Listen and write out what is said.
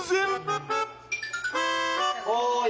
おい。